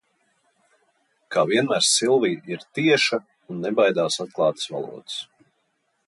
Kā vienmēr Silvija ir tieša un nebaidās atklātas valodas.